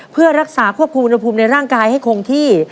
เพื่อรักษาคว้นอากาศให้คงที่